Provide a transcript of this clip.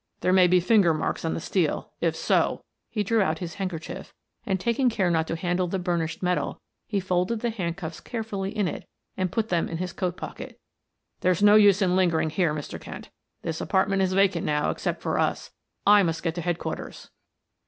"There may be finger marks on the steel; if so" he drew out his handkerchief, and taking care not to handle the burnished metal, he folded the handcuffs carefully in it and put them in his coat pocket. "There's no use lingering here, Mr. Kent; this apartment is vacant now except for us. I must get to Headquarters."